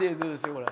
これ。